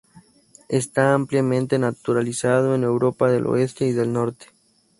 Está ampliamente naturalizado en Europa del oeste y del norte.